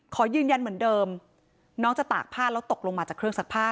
ขอยืนยันเหมือนเดิมน้องจะตากผ้าแล้วตกลงมาจากเครื่องซักผ้า